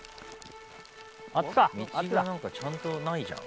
「道がなんかちゃんとないじゃん」